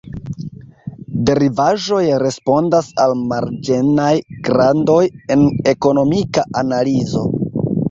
Derivaĵoj respondas al marĝenaj grandoj en ekonomika analizo.